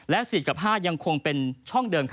และ๔กับ๕ยังคงเป็นช่องเดิม